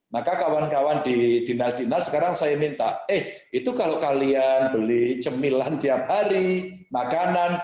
maka kawan kawan di dinas dinas sekarang saya minta eh itu kalau kalian beli cemilan tiap hari makanan